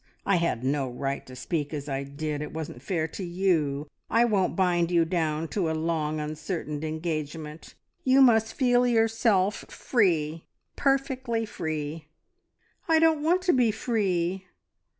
I had no right to speak as I did; it wasn't fair to you. I won't bind you down to a long, uncertain engagement. You must feel yourself free, perfectly free." "I don't want to be free!